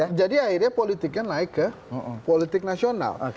karena jadi akhirnya politiknya naik ke politik nasional